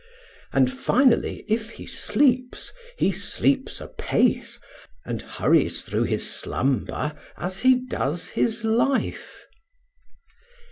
And finally, if he sleeps, he sleeps apace, and hurries through his slumber as he does his life.